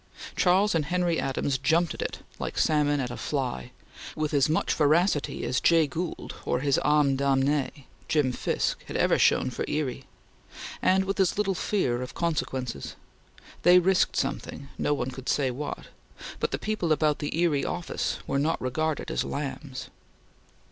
Charles and Henry Adams jumped at it like salmon at a fly, with as much voracity as Jay Gould, or his ame damnee Jim Fisk, had ever shown for Erie; and with as little fear of consequences. They risked something; no one could say what; but the people about the Erie office were not regarded as lambs.